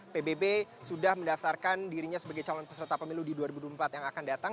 pbb sudah mendaftarkan dirinya sebagai calon peserta pemilu di dua ribu dua puluh empat yang akan datang